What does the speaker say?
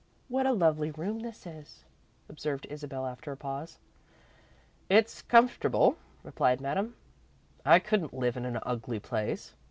"What a lovely room this is," observed Isabel, after a pause. "It's comfortable," replied Madame. "I couldn't live in an ugly place."